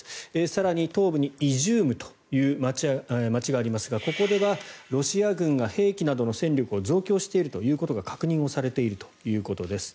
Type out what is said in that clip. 更に、東部にイジュームという街がありますがここではロシア軍が兵器などの戦力を増強しているということが確認されているということです。